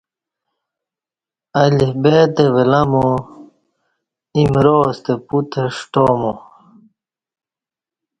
الف بےتہ ولامو ایمراستہ پوتہ ݜٹامو